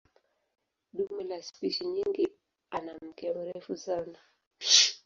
Dume la spishi nyingi ana mkia mrefu sana.